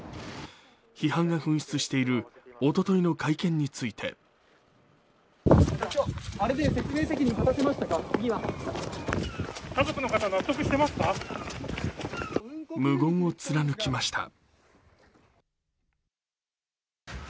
批判が噴出しているおとといの会見について無言を貫きました。